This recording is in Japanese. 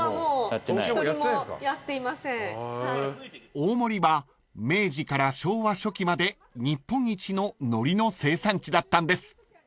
［大森は明治から昭和初期まで日本一の海苔の生産地だったんです］